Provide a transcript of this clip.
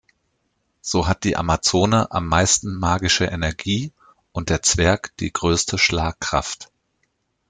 So hat die Amazone am meisten magische Energie und der Zwerg die größte Schlagkraft.